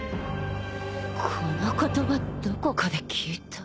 この言葉どこかで聞いた